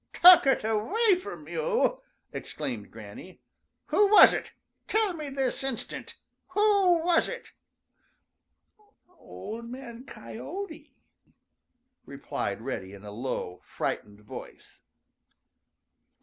"Took it away from you!" exclaimed Granny. "Who was it? Tell me this instant! Who was it?" "Old Man Coyote," replied Reddy in a low, frightened voice.